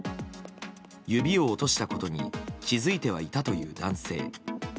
指を落としたことに気づいてはいたという男性。